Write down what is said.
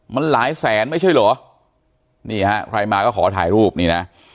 มันหลายแสนไม่ใช่เหรอนี่ฮะใครมาก็ขอถ่ายรูปนี่นะ